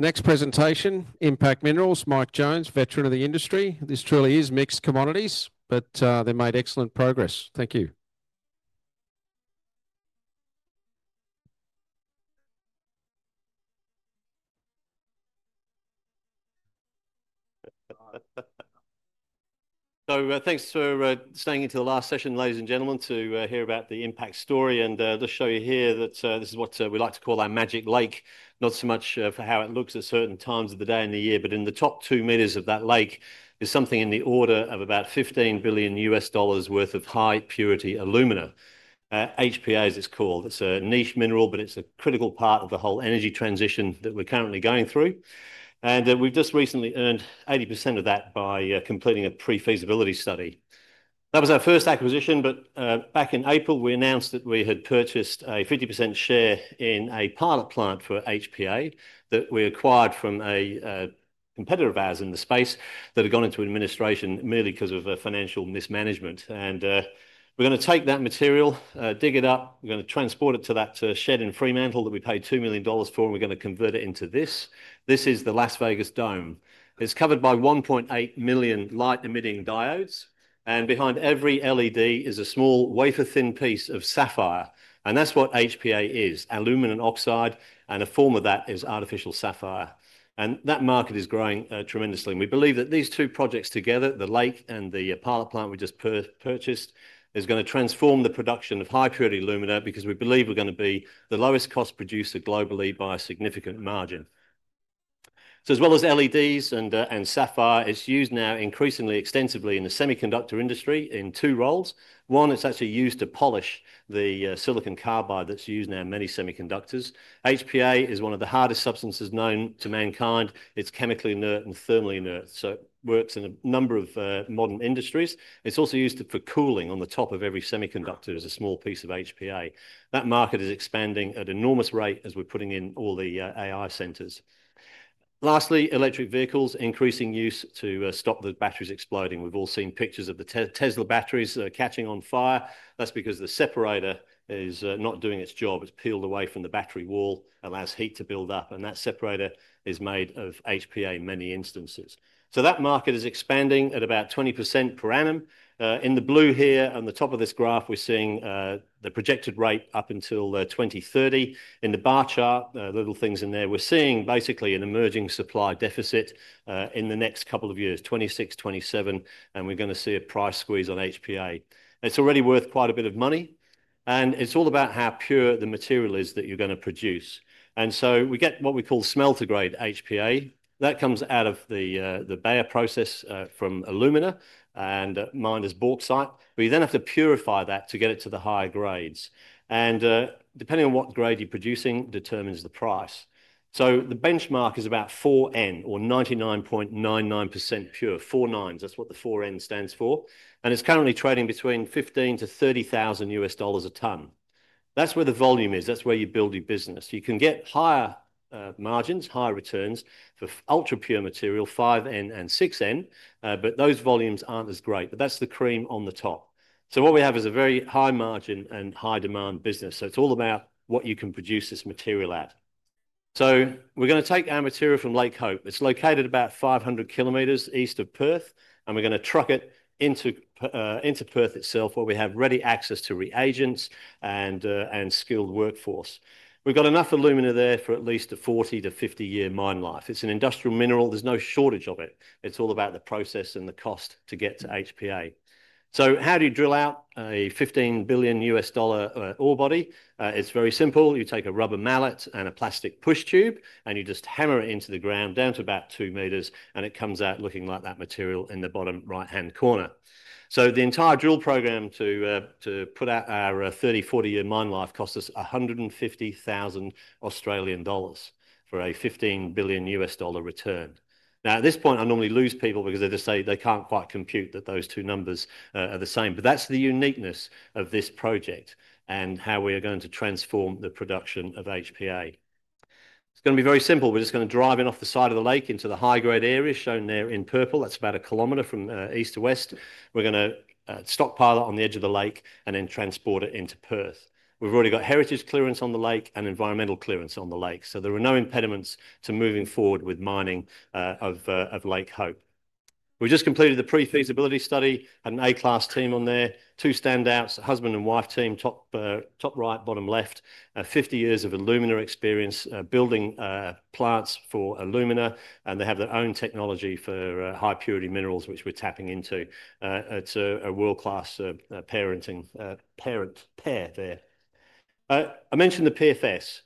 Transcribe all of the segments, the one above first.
Next presentation, Impact Minerals, Mike Jones, veteran of the industry. This truly is mixed commodities, but they made excellent progress. Thank you. Thanks for staying into the last session, ladies and gentlemen, to hear about the Impact story. I'll just show you here that this is what we like to call our magic lake, not so much for how it looks at certain times of the day in the year, but in the top two meters of that lake is something in the order of about $15 billion worth of high-purity alumina. HPA is its call. It's a niche mineral, but it's a critical part of the whole energy transition that we're currently going through. We've just recently earned 80% of that by completing a pre-feasibility study. That was our first acquisition, but back in April, we announced that we had purchased a 50% share in a pilot plant for HPA that we acquired from a competitor of ours in the space that had gone into administration merely because of financial mismanagement. We're going to take that material, dig it up, we're going to transport it to that shed in Fremantle that we paid $2 million for, and we're going to convert it into this. This is the Las Vegas Dome. It's covered by 1.8 million light-emitting diodes, and behind every LED is a small wafer-thin piece of sapphire. That's what HPA is, alumina, and a form of that is artificial sapphire. That market is growing tremendously. We believe that these two projects together, the lake and the pilot plant we just purchased, is going to transform the production of high-purity alumina because we believe we're going to be the lowest cost producer globally by a significant margin. As well as LEDs and sapphire, it's used now increasingly extensively in the semiconductor industry in two roles. One, it's actually used to polish the silicon carbide that's used now in many semiconductors. HPA is one of the hardest substances known to mankind. It's chemically inert and thermally inert, so it works in a number of modern industries. It's also used for cooling. On the top of every semiconductor is a small piece of HPA. That market is expanding at an enormous rate as we're putting in all the AI centers. Lastly, electric vehicles, increasing use to stop the batteries exploding. We've all seen pictures of the Tesla batteries catching on fire. That's because the separator is not doing its job. It's peeled away from the battery wall, allows heat to build up, and that separator is made of HPA in many instances. That market is expanding at about 20% per annum. In the blue here, on the top of this graph, we're seeing the projected rate up until 2030. In the bar chart, little things in there, we're seeing basically an emerging supply deficit in the next couple of years, 2026, 2027, and we're going to see a price squeeze on HPA. It's already worth quite a bit of money, and it's all about how pure the material is that you're going to produce. We get what we call smelter-grade HPA. That comes out of the Bayer process from alumina and miners' bauxite. We then have to purify that to get it to the higher grades. Depending on what grade you're producing, it determines the price. The benchmark is about 4N or 99.99% pure. Four nines, that's what the 4N stands for. It's currently trading between $15,000 - $30,000 US dollars a ton. That's where the volume is. That's where you build your business. You can get higher margins, higher returns for ultra-pure material, 5N and 6N, but those volumes aren't as great. That's the cream on the top. What we have is a very high margin and high demand business. It's all about what you can produce this material at. We're going to take our material from Lake Hope. It's located about 500 km east of Perth, and we're going to truck it into Perth itself where we have ready access to reagents and skilled workforce. We've got enough alumina there for at least a 40 - 50-year mine life. It's an industrial mineral. There's no shortage of it. It's all about the process and the cost to get to HPA. How do you drill out a $15 billion US dollar ore body? It's very simple. You take a rubber mallet and a plastic push tube, and you just hammer it into the ground down to about two meters, and it comes out looking like that material in the bottom right-hand corner. The entire drill program to put out our 30, 40-year mine life costs us 150,000 Australian dollars for a $15 billion US dollar return. At this point, I normally lose people because they just say they can't quite compute that those two numbers are the same, but that's the uniqueness of this project and how we are going to transform the production of HPA. It's going to be very simple. We're just going to drive it off the side of the lake into the high-grade area shown there in purple. That's about a kilometer from east to west. We're going to stockpile it on the edge of the lake and then transport it into Perth. We've already got heritage clearance on the lake and environmental clearance on the lake, so there are no impediments to moving forward with mining of Lake Hope. We just completed the pre-feasibility study. I have an A-class team on there, two standouts, husband and wife team, top right, bottom left, 50 years of alumina experience building plants for alumina, and they have their own technology for high-purity minerals, which we're tapping into. It's a world-class parent pair there. I mentioned the PFS.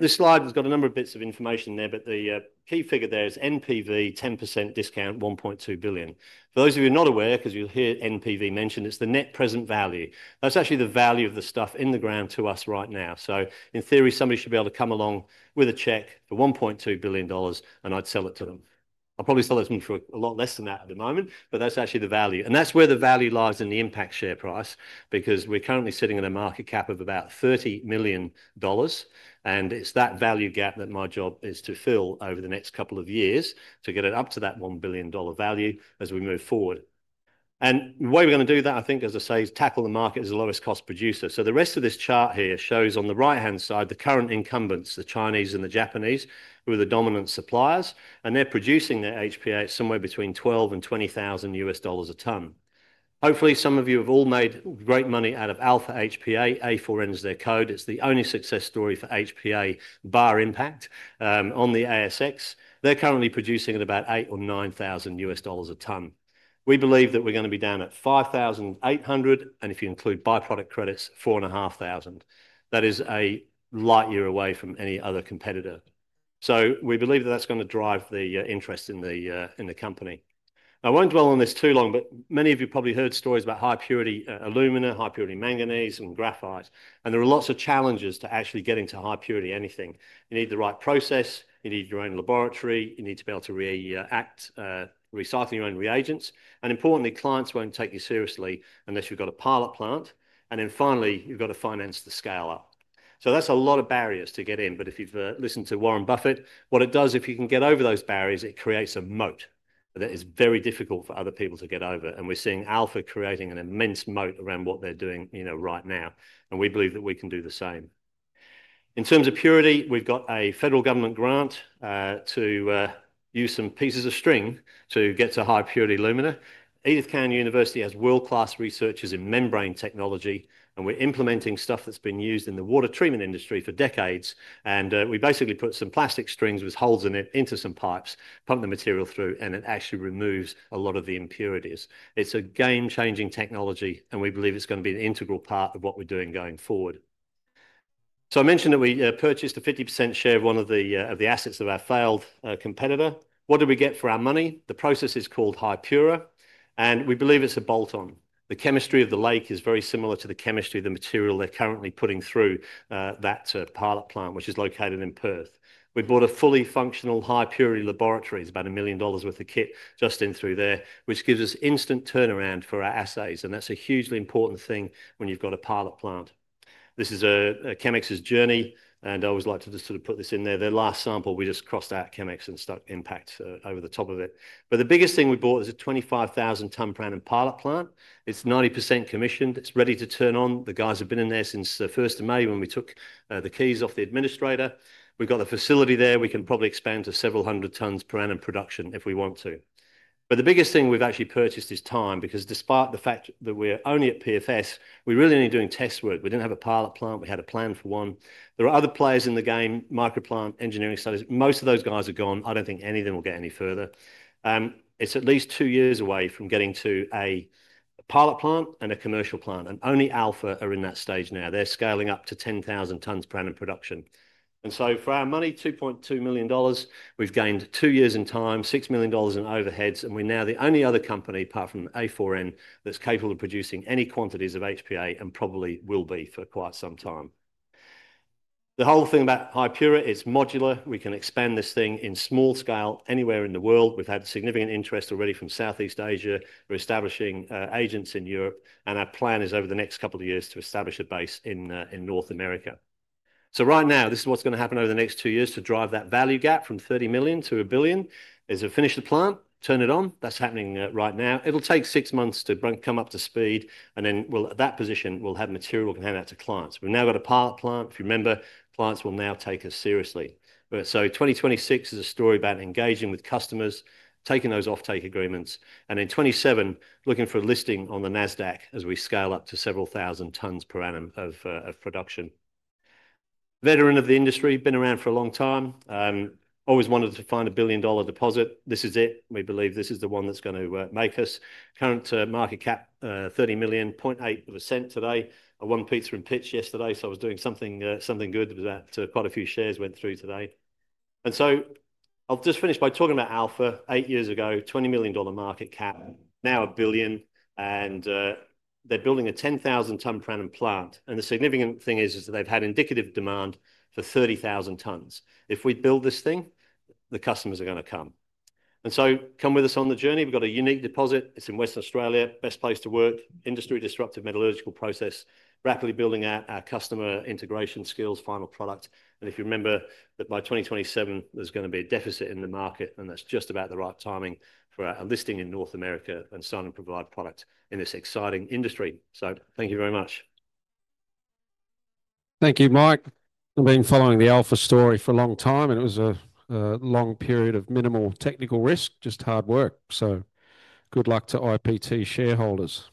This slide has got a number of bits of information there, but the key figure there is NPV, 10% discount, $1.2 billion. For those of you not aware, because you'll hear NPV mentioned, it's the net present value. That's actually the value of the stuff in the ground to us right now. In theory, somebody should be able to come along with a check for $1.2 billion, and I'd sell it to them. I'd probably sell it to them for a lot less than that at the moment, but that's actually the value. That's where the value lies in the Impact Minerals share price because we're currently sitting at a market cap of about $30 million, and it's that value gap that my job is to fill over the next couple of years to get it up to that $1 billion value as we move forward. The way we're going to do that, I think, as I say, is tackle the market as the lowest cost producer. The rest of this chart here shows on the right-hand side the current incumbents, the Chinese and the Japanese, who are the dominant suppliers, and they're producing their HPA somewhere between $12,000 and $20,000 a ton. Hopefully, some of you have all made great money out of Alpha HPA. A4N is their code. It's the only success story for HPA bar Impact on the ASX. They're currently producing at about $8,000 or $9,000 a ton. We believe that we're going to be down at $5,800, and if you include byproduct credits, $4,500. That is a light year away from any other competitor. We believe that that's going to drive the interest in the company. I won't dwell on this too long, but many of you probably heard stories about high-purity alumina, high-purity manganese, and graphite, and there are lots of challenges to actually getting to high-purity anything. You need the right process, you need your own laboratory, you need to be able to react, recycle your own reagents, and importantly, clients won't take you seriously unless you've got a pilot plant, and then finally, you've got to finance the scale up. That's a lot of barriers to get in, but if you've listened to Warren Buffett, what it does if you can get over those barriers, it creates a moat that is very difficult for other people to get over, and we're seeing Alpha HPA Limited creating an immense moat around what they're doing right now, and we believe that we can do the same. In terms of purity, we've got a federal government grant to use some pieces of string to get to high-purity alumina. Edith Cowan University has world-class researchers in membrane technology, and we're implementing stuff that's been used in the water treatment industry for decades, and we basically put some plastic strings with holes in it into some pipes, pump the material through, and it actually removes a lot of the impurities. It's a game-changing technology, and we believe it's going to be an integral part of what we're doing going forward. I mentioned that we purchased a 50% share of one of the assets of our failed competitor. What do we get for our money? The process is called Hypura, and we believe it's a bolt-on. The chemistry of the lake is very similar to the chemistry of the material they're currently putting through that pilot plant, which is located in Perth. We bought a fully functional high-purity laboratory. It's about $1 million worth of kit just in through there, which gives us instant turnaround for our assays, and that's a hugely important thing when you've got a pilot plant. This is a ChemX's journey, and I always like to just sort of put this in there. Their last sample, we just crossed out ChemX and stuck Impact over the top of it. The biggest thing we bought is a 25,000-ton per annum pilot plant. It's 90% commissioned. It's ready to turn on. The guys have been in there since 1st of May when we took the keys off the administrator. We've got the facility there. We can probably expand to several hundred tons per annum production if we want to. The biggest thing we've actually purchased is time because despite the fact that we're only at pre-feasibility study, we really only doing test work. We didn't have a pilot plant. We had a plan for one. There are other players in the game, microplant, engineering studies. Most of those guys are gone. I don't think any of them will get any further. It's at least two years away from getting to a pilot plant and a commercial plant, and only Alpha HPA Limited are in that stage now. They're scaling up to 10,000 tons per annum production. For our money, $2.2 million, we've gained two years in time, $6 million in overheads, and we're now the only other company, apart from Alpha HPA Limited, that's capable of producing any quantities of HPA and probably will be for quite some time. The whole thing about Hypura, it's modular. We can expand this thing in small scale anywhere in the world. We've had significant interest already from Southeast Asia. We're establishing agents in Europe, and our plan is over the next couple of years to establish a base in North America. Right now, this is what's going to happen over the next two years to drive that value gap from $30 million to $1 billion. Is it finished the plant? Turn it on. That's happening right now. It'll take six months to come up to speed, and then at that position, we'll have material we can hand out to clients. We've now got a pilot plant. If you remember, clients will now take us seriously. 2026 is a story about engaging with customers, taking those offtake agreements, and in 2027, looking for a listing on the Nasdaq as we scale up to several thousand tons per annum of production. Veteran of the industry, been around for a long time. Always wanted to find a billion-dollar deposit. This is it. We believe this is the one that's going to make us. Current market cap, $30.08 today. I won Peter and Pitch yesterday, so I was doing something good. It was about quite a few shares went through today. I'll just finish by talking about Alpha HPA Limited. Eight years ago, $20 million market cap, now $1 billion, and they're building a 10,000-ton per annum plant. The significant thing is that they've had indicative demand for 30,000 tons. If we build this thing, the customers are going to come. Come with us on the journey. We've got a unique deposit. It's in Western Australia, best place to work, industry-disruptive metallurgical process, rapidly building out our customer integration skills, final product. If you remember that by 2027, there's going to be a deficit in the market, and that's just about the right timing for a listing in North America and starting to provide product in this exciting industry. Thank you very much. Thank you, Mike. I've been following the Impact story for a long time, and it was a long period of minimal technical risk, just hard work. Good luck to Impact Minerals shareholders.